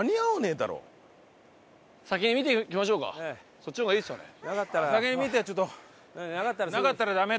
そっちの方がいいですよね？